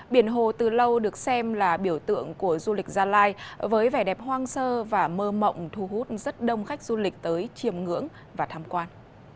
biển hồ từ lâu được xem là biểu tượng của du lịch gia lai với vẻ đẹp hoang sơ và mơ mộng thu hút rất đông khách du lịch tới chiềm ngưỡng và tham quan